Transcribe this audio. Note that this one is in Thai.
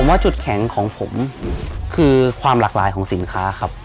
ว่าจุดแข็งของผมคือความหลากหลายของสินค้าครับ